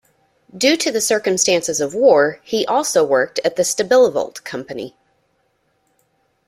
Due to the circumstances of war, he also worked at the Stabilovolt Company.